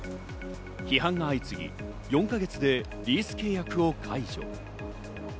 批判が相次ぎ、４か月でリース契約を解除。